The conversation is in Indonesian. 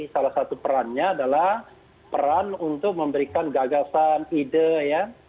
salah satu perannya adalah peran untuk memberikan gagasan ide ya